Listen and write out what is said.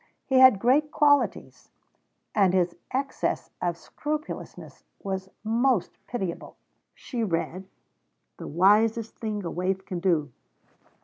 He had great qualities, and his excess of scrupulousness was most pitiable. She read: 'The wisest thing a waif can do.'